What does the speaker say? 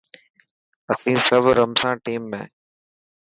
اسين سب رمسان ٽيم ۾.